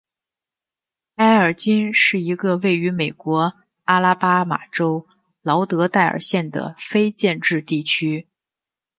埃尔金是一个位于美国阿拉巴马州劳德代尔县的非建制地区。